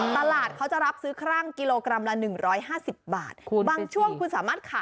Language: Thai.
ตลาดเขาจะรับซื้อครั่งกิโลกรัมละ๑๕๐บาท